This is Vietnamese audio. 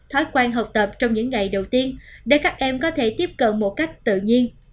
thói quen học tập trong những ngày đầu tiên để các em có thể tiếp cận một cách tự nhiên